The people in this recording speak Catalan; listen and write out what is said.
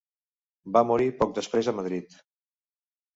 Va morir poc després a Madrid.